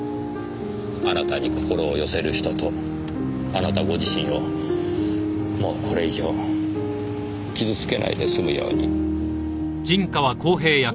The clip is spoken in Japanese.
あなたに心を寄せる人とあなたご自身をもうこれ以上傷付けないで済むように。